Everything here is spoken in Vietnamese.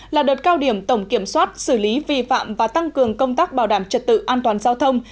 là đợt cao điểm tổng kiểm soát xử lý vi phạm và tăng cường công tác bảo đảm trật tự an toàn giao thông